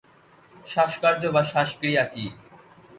শ্বাসকার্য বা শ্বাসক্রিয়া কি?